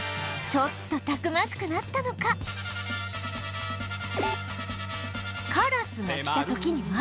ちょっとたくましくなったのかカラスが来た時には